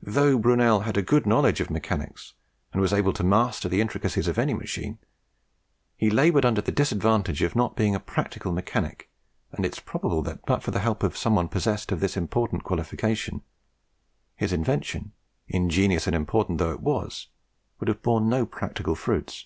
Though Brunel had a good knowledge of mechanics, and was able to master the intricacies of any machine, he laboured under the disadvantage of not being a practical mechanic and it is probable that but for the help of someone possessed of this important qualification, his invention, ingenious and important though it was, would have borne no practical fruits.